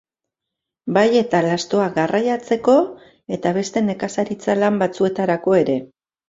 Bai eta lastoa garraiatzeko eta beste nekazaritza lan batzuetarako ere.